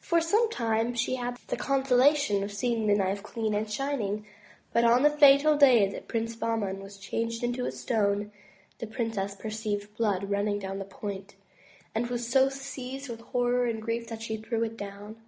For some time she had the consolation of seeing the knife clean and shining. But on the fatal day that Prince Bah man was changed into a stone, the princess perceived blood run ning down the point, and was so seized with horror and grief that she threw it down.